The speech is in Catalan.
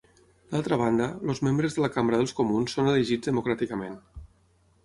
D'altra banda, els membres de la Cambra dels Comuns són elegits democràticament.